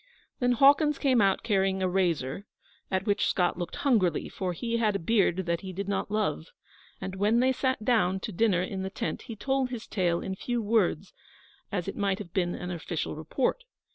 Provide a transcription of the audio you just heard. Then Hawkins came out carrying a razor, at which Scott looked hungrily, for he had a beard that he did not love. And when they sat down to dinner in the tent he told his tale in few words, as it might have been an official report.